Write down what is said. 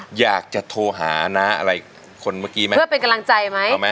ค่ะอยากจะโทรหานะอะไรคนเมื่อกี้เพื่อเป็นกำลังใจไหมเอาไหม